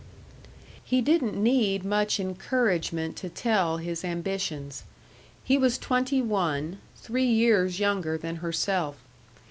He didn't need much encouragement to tell his ambitions. He was twenty one three years younger than herself.